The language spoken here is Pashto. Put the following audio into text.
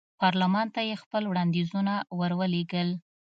پارلمان ته یې خپل وړاندیزونه ور ولېږل.